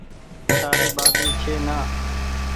تآري ٻآٻي ڇي نآ